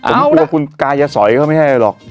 ผมปลูกว่าคุณกายอย่าสอยเขาก็ไม่ได้หรอก